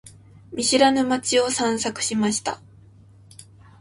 見知らぬ街を散策しました。